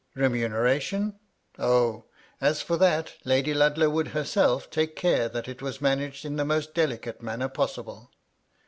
" Remuneration ?" Oh I as for that, Lady Ludlow would herself take care that it was managed in the most delicate manner possible.